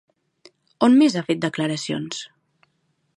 On més ha fet declaracions?